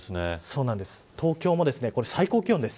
東京も最高気温です。